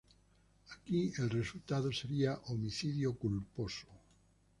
Aquí el resultado sería homicidio culposo.